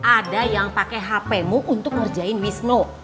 ada yang pakai hp mu untuk ngerjain wisnu